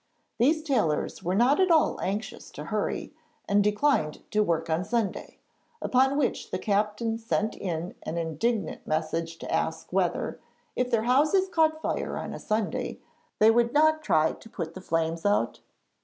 These tailors were not at all anxious to hurry, and declined to work on Sunday, upon which the captain sent an indignant message to ask whether, if their houses caught fire on a Sunday, they would not try to put the flames out?